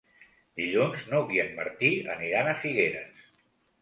Dilluns n'Hug i en Martí aniran a Figueres.